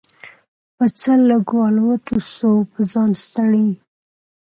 په څه لږو الوتو سو په ځان ستړی